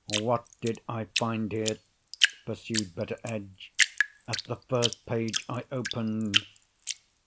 "What did I find here," pursued Betteredge, "at the first page I opened?